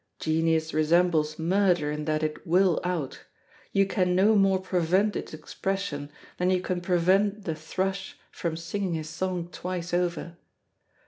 Genius resembles murder in that it will out; you can no more prevent its expression than you can prevent the thrush from singing his song twice over.